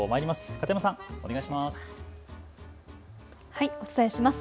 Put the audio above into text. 片山さん、お願いします。